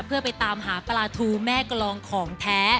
เพื่อไปตามหาปลาทูแม่กรองของแท้